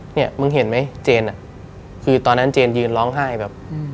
เนี่ยมึงเห็นไหมเจนอ่ะคือตอนนั้นเจนยืนร้องไห้แบบ